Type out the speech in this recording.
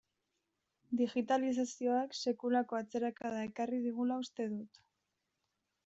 Digitalizazioak sekulako atzerakada ekarri digula uste dut.